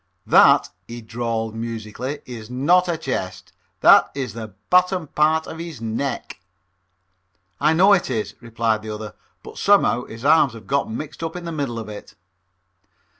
"That," he drawled musically, "ees not a chest. That ees the bottom part of hees neck." "I know it is," replied the other, "but somehow his arms have gotten mixed up in the middle of it."